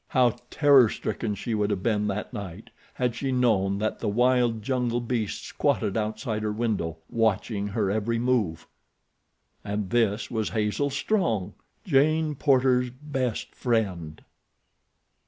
How terror stricken she would have been that night had she known that the wild jungle beast squatted outside her window, watching her every move. And this was Hazel Strong—Jane Porter's best friend!